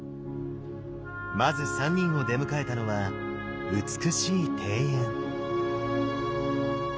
まず三人を出迎えたのは美しい庭園。